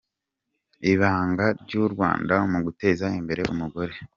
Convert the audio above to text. Ibanga ry’ u Rwanda mu guteza imbere umugore….